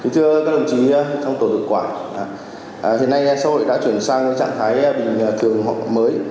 thưa các đồng chí trong tổ nội quảng hiện nay xã hội đã chuyển sang trạng thái bình thường hoặc mới